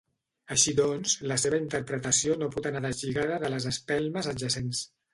Així doncs, la seva interpretació no pot anar deslligada de les espelmes adjacents.